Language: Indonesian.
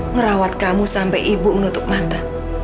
merawat kamu sampai ibu menutup mata